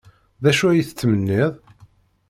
D acu ay tettmenniḍ?